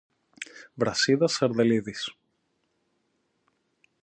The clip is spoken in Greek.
Βρασίδας Σαρδελίδης.